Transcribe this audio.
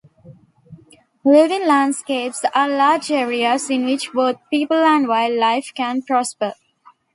Living Landscapes are large areas in which both people and wildlife can prosper.